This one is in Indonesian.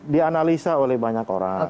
dianalisa oleh banyak orang